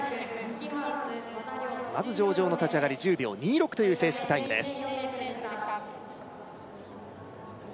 まず上々の立ち上がり１０秒２６という正式タイムです